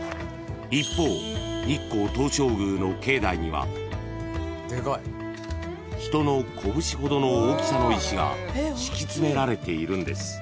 ［一方日光東照宮の境内には人の拳ほどの大きさの石が敷き詰められているんです］